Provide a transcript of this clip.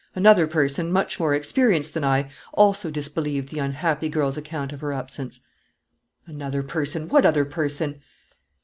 Another person, much more experienced than I, also disbelieved the unhappy girl's account of her absence." "Another person! What other person?"